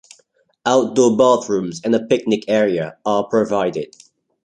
Outdoor bathrooms and a picnic area are provided.